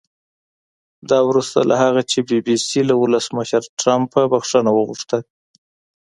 دا وروسته له هغه چې بي بي سي له ولسمشر ټرمپه بښنه وغوښته